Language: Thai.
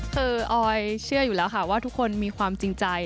คือออยเชื่ออยู่แล้วค่ะว่าทุกคนมีความจริงใจ